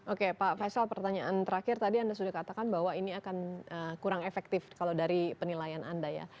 oke pak faisal pertanyaan terakhir tadi anda sudah katakan bahwa ini akan kurang efektif kalau dari penilaian anda ya